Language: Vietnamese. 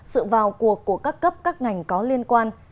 sự vào cuộc của các cấp các ngành có liên quan